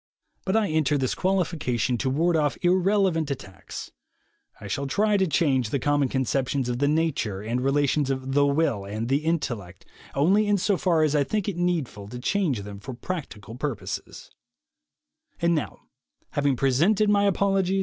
But I enter this qualification to ward off irrelevant attacks. I shall try to change the common conceptions of the nature and relations of "the will" and "the intellect" only insofar as I think it needful to change them for practical purposes.